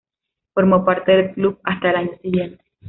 Formó parte del club hasta el año siguiente.